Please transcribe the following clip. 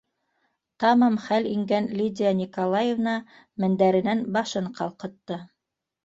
Тамам хәл ингән Лидия Николаевна мендәренән башын ҡалҡытты;